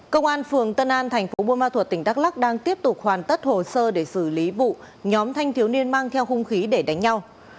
công an phường tân an thành phố buôn ma thuật tỉnh đắk lắc đang tiếp tục hoàn tất hồ sơ để xử lý vụ nhóm thanh thiếu niên mang theo hung khí để đánh nhau